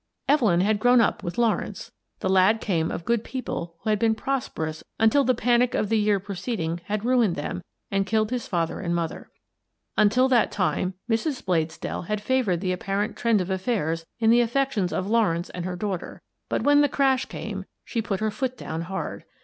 Evelyn had grown up with Lawrence. The lad came of good people who had been prosperous until the panic of the year preceding had ruined them and killed his father and mother. Until that time, Mrs. Bladesdell had favoured the apparent trend of affairs in the affections of Lawrence and her daughter, but when the crash came she put her foot down hard.